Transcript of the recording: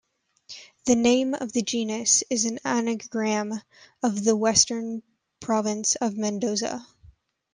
The name of the genus is an anagram of the western province of Mendoza.